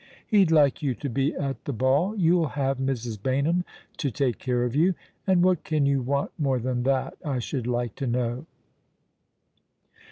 He'd like you to be at the ball. You'll have Mrs. Baynham to take care of you, and what can you want more than that, I should like to know